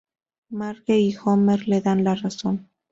Marge y Homer le dan la razón.